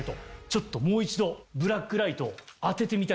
ちょっともう一度ブラックライトを当ててみたい。